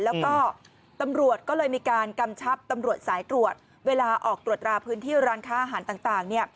แล้วก็ตำรวจก็เลยมีการกำชับตำรวจสายตรวจเวลาออกตรวจราพื้นที่ร้านค้าอาหารต่าง